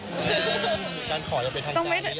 การขอจะไปทางใจหรือยัง